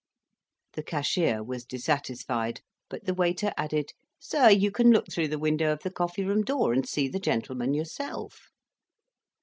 The cashier was dissatisfied; but the waiter added, "Sir, you can look through the window of the coffee room door, and see the gentleman yourself."